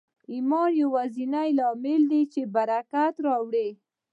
ایمان یوازېنی لامل دی چې برکت راوړي